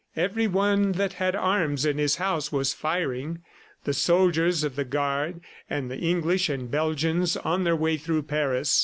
Everyone that had arms in his house was firing the soldiers of the guard, and the English and Belgians on their way through Paris.